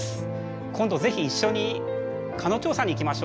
今度是非一緒に蚊の調査に行きましょう。